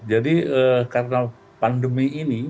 jadi karena pandemi ini